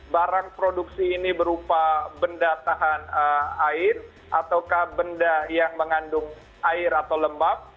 barang produksi ini berupa benda tahan air ataukah benda yang mengandung air atau lembab